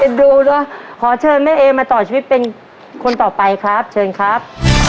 ดูเนอะขอเชิญแม่เอมาต่อชีวิตเป็นคนต่อไปครับเชิญครับ